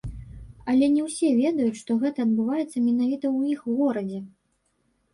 Але не ўсе ведаюць, што гэта адбываецца менавіта ў іх горадзе.